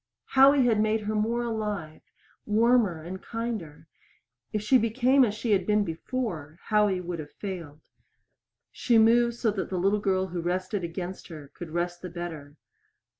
Howie had made her more alive warmer and kinder. If she became as she had been before Howie would have failed. She moved so that the little girl who rested against her could rest the better.